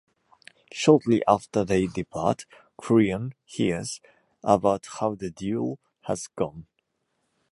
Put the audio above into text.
Shortly after they depart, Creon hears about how the duel has gone.